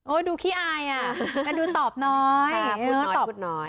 โอ้ยดูขี้อายอ่ะแต่ดูตอบน้อยค่ะพูดน้อยพูดน้อย